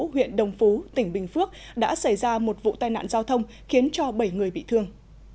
huyện đồng phú tỉnh bình phước đã xảy ra một vụ tai nạn giao thông khiến cho bảy người bị thương